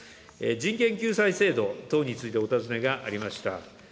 人権救済制度等についてお尋ねがありました。